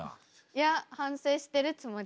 いや反省してるつもり。